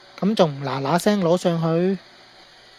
咁重唔嗱嗱聲攞上去？